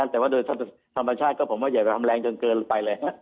แต่ว่าโดยธรรมชาติก็ผมว่าอย่าไปทำแรงจนเกินไปเลย